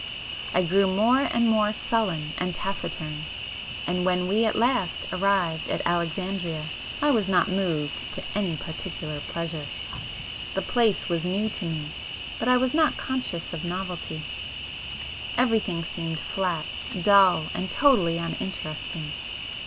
I grew more and more sullen and taciturn, and when we at last arrived at Alexandria I was not moved to any particular pleasure. The place was new to me, but I was not conscious of novelty,—everything seemed flat, dull, and totally uninteresting.